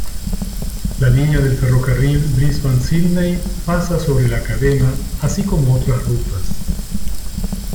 La línea del ferrocarril Brisbane-Sídney pasa sobre la cadena así como otras rutas.